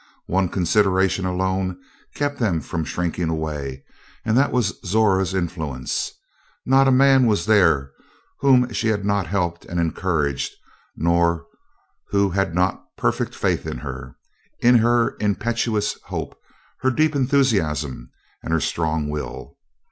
One consideration alone kept them from shrinking away and that was Zora's influence. Not a man was there whom she had not helped and encouraged nor who had not perfect faith in her; in her impetuous hope, her deep enthusiasm, and her strong will.